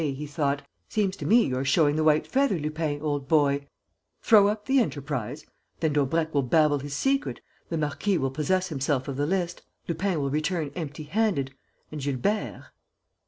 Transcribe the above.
he thought. "Seems to me you're showing the white feather, Lupin, old boy. Throw up the enterprise? Then Daubrecq will babble his secret, the marquis will possess himself of the list, Lupin will return empty handed, and Gilbert...."